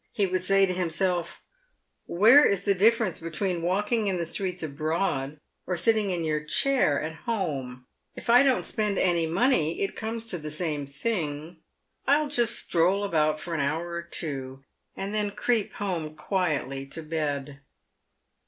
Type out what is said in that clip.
He would say to himself, " Where is the difference between walking in the streets abroad, or sitting in your chair at home ? If I don't spend any money it comes to the same thing. I'll just stroll about for an hour or two, and then creep home quietly to bed."